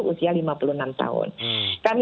usia lima puluh enam tahun kami